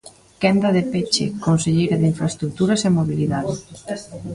Quenda de peche, conselleira de Infraestruturas e Mobilidade.